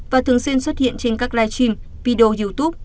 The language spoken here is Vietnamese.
và thường xuyên xuất hiện trên các live stream video youtube